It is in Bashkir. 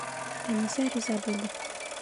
Әнисә риза булды.